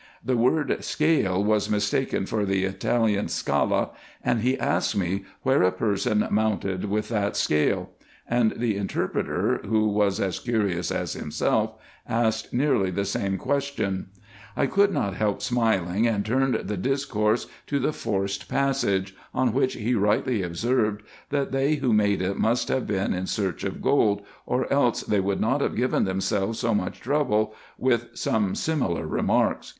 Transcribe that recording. The word scale was mistaken for the Italian scala, and he asked me where a person mounted with that scale ; and the interpreter, who was as curious as himself, asked nearly the same question. 1 could not help smiling, and turned the discourse to the forced passage, on which he rightly observed, that they who made it must have been in search of gold, or else they would not have given themselves so much trouble, with some similar remarks.